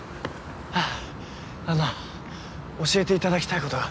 ハァあの教えていただきたいことが。